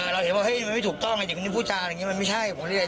เราเห็นว่ามันไม่ถูกต้องเด็กนี้ผู้จามันไม่ใช่